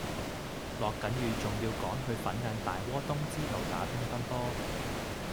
落緊雨仲要趕住去粉嶺大窩東支路打乒乓波